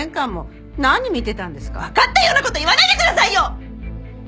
わかったような事言わないでくださいよ！！